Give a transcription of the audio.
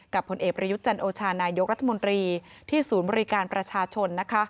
กับผลเอกพระยุทธจันทร์โอชาณายกรัฐมนตรีที่ศูนย์บริการประชาชน